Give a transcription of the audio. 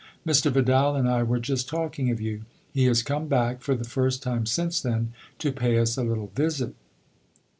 " Mr. Vidal and I were just talking of you. He has come back, for the first time since then, to pay us a little visit."